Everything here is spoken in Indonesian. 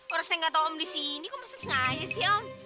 orang saya nggak tahu om di sini kok masa sengaja sih om